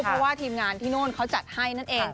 เพราะว่าทีมงานที่นู่นเขาจัดให้นั่นเอง